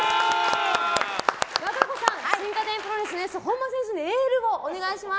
和歌子さん、新家電プロレスの本間選手にエールをお願いします。